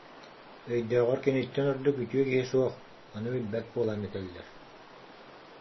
Јйдөөҕөр киниттэн ордук үтүө киһи суох, ону билбэт буолан этэллэр